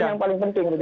itu yang paling penting